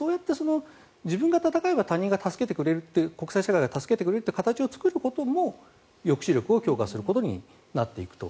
自分が戦えば他人が、国際社会が助けてくれるという状況を作ることも、抑止力を強化することになっていくと。